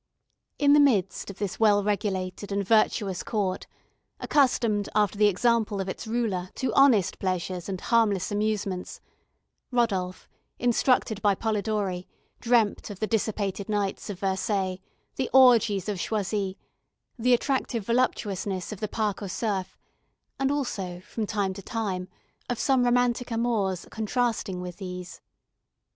In the midst of this well regulated and virtuous court, accustomed, after the example of its ruler, to honest pleasures and harmless amusements, Rodolph, instructed by Polidori, dreamt of the dissipated nights of Versailles, the orgies of Choisy, the attractive voluptuousness of the Parc au Cerfs, and also, from time to time, of some romantic amours contrasting with these.